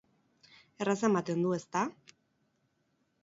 Erraza ematen du, ezta?